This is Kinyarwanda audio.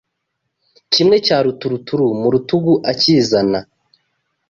Kimwe cya ruturuturu Mu Rutungu akizana